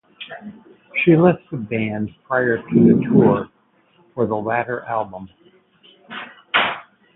She left the band prior to the tour for the latter album.